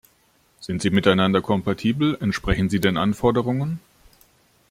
Sind sie miteinander kompatibel, entsprechen sie den Anforderungen?